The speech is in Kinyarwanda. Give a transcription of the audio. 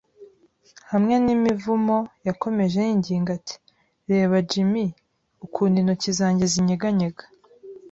hamwe n'imivumo. Yakomeje yinginga ati: "Reba, Jim, ukuntu intoki zanjye zinyeganyega."